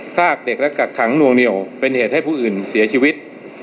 รากเด็กและกักขังนวงเหนียวเป็นเหตุให้ผู้อื่นเสียชีวิต